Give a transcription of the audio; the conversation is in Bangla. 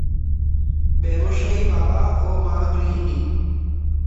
ব্যবসায়ী বাবা ও মা গৃহিণী।